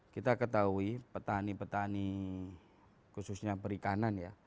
kita ketahui petani petani khususnya perikanan ya